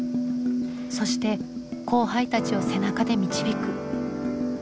そして後輩たちを背中で導く。